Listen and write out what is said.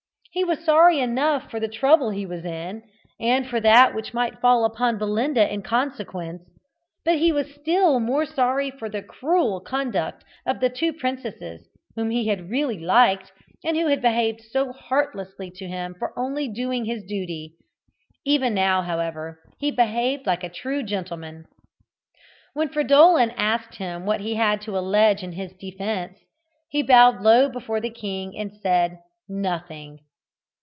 He was sorry enough for the trouble he was in, and for that which might fall upon Belinda in consequence; but he was still more sorry for the cruel conduct of the two princesses, whom he had really liked, and who had behaved so heartlessly to him for only doing his duty. Even now, however, he behaved like a true gentleman. When Fridolin asked him what he had to allege in his defence, he bowed low before the king, and said "Nothing."